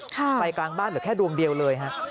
ไปกลางบ้านเหลือแค่ดวงเดียวเลยฮะ